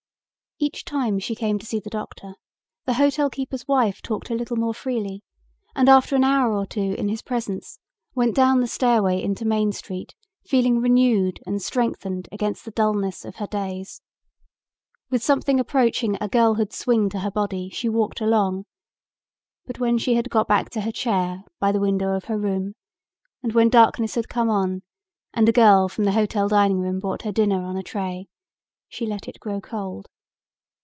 Each time she came to see the doctor the hotel keeper's wife talked a little more freely and after an hour or two in his presence went down the stairway into Main Street feeling renewed and strengthened against the dullness of her days. With something approaching a girlhood swing to her body she walked along, but when she had got back to her chair by the window of her room and when darkness had come on and a girl from the hotel dining room brought her dinner on a tray, she let it grow cold.